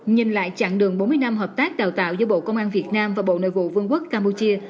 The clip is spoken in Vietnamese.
nhìn lại chặng đường bốn mươi năm hợp tác đào tạo giữa bộ công an việt nam và bộ nội vụ vương quốc campuchia